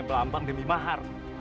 nyiblambang demi mahar